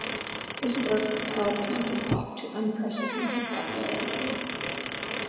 His work propelled Cantopop to unprecedented popularity.